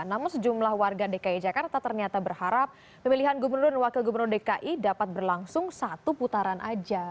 namun sejumlah warga dki jakarta ternyata berharap pemilihan gubernur dan wakil gubernur dki dapat berlangsung satu putaran aja